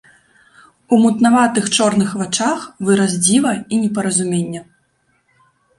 У мутнаватых чорных вачах выраз дзіва і непаразумення.